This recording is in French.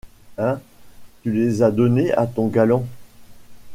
Hein? tu les as donnés à ton galant...